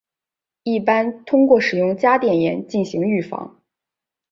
一般通过使用加碘盐进行预防。